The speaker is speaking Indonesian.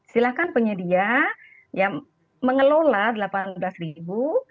silahkan penyedia yang mengelola lapan belas ribu